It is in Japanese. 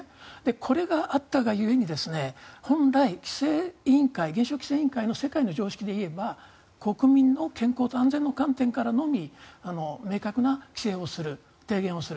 これがあったが故に本来、原子力規制委員会の世界の常識でいえば国民の健康と安全の観点からのみ明確な規制をする提言をする。